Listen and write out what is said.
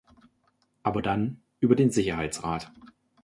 Aber dann über den Sicherheitsrat.